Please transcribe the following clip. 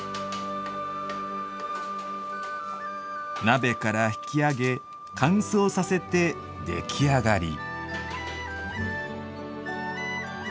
鍋から引き上げ乾燥させて、出来上がり。